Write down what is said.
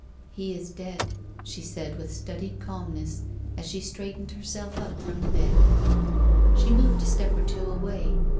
"He is dead," she said with studied calmness, as she straightened herself up from the bed. She moved a step or two away.